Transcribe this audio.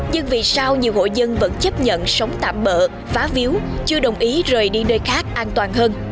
nhưng vì sao nhiều hộ dân vẫn chấp nhận sống tạm bỡ phá víu chưa đồng ý rời đi nơi khác an toàn hơn